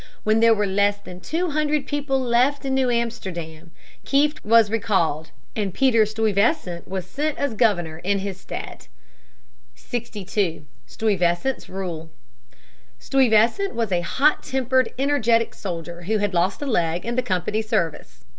When there were less than two hundred people left in New Amsterdam, Kieft was recalled, and Peter Stuyvesant was sent as governor in his stead. [Sidenote: Peter Stuyvesant. Higginson, 97.] 62. Stuyvesant's Rule. Stuyvesant was a hot tempered, energetic soldier who had lost a leg in the Company's service.